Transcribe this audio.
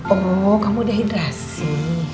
oh kamu dehidrasi